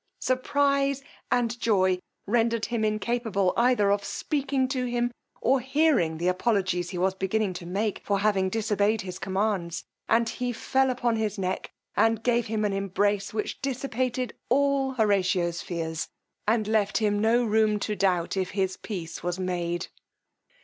Surprize and joy rendered him incapable either of speaking to him, or hearing the apologies he was beginning to make for having disobeyed his commands: but he fell upon his neck and gave him an embrace, which dissipated all Horatio's fears, and left him no room to doubt if his peace was made.